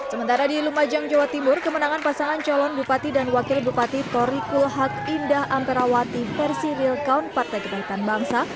sementara di lumajang jawa timur kemenangan pasangan calon bupati dan wakil bupati tori kulhak indah amperawati versi real count partai kebangkitan bangsa